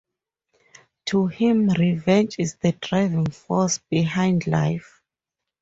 To him, revenge is the driving force behind life.